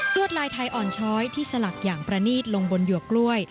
วดลายไทยอ่อนช้อยที่สลักอย่างประนีตลงบนหยวกกล้วย